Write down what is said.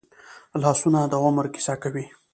لاسونه د عمر کیسه کوي